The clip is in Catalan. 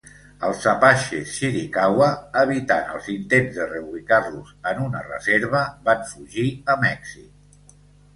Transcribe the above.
Els Apaches Chiricahua, evitant els intents de reubicar-los en una reserva, van fugir a Mèxic.